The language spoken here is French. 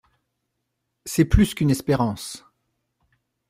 C’est plus qu’une espérance !